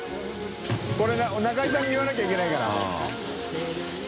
海中井さんに言わなきゃいけないから。